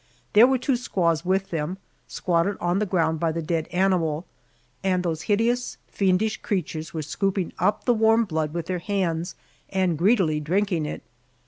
There were two squaws with them, squatted on the ground by the dead animal, and those hideous, fiendish creatures were scooping up the warm blood with their hands and greedily drinking it!